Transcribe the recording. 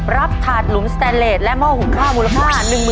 ถาดหลุมสแตนเลสและหม้อหุงข้าวมูลค่า